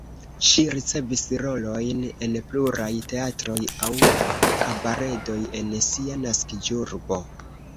Ŝi ricevis rolojn en pluraj teatroj aŭ kabaredoj en sia naskiĝurbo.